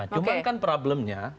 cuma kan problemnya